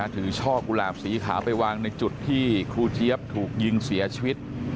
ช่อกุหลาบสีขาวไปวางในจุดที่ครูเจี๊ยบถูกยิงเสียชีวิต